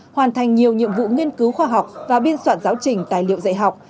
hoàn thành nhiều nhiệm vụ nghiên cứu khoa học và biên soạn giáo trình tài liệu dạy học